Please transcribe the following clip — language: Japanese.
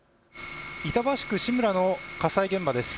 板橋区志村の火災現場です。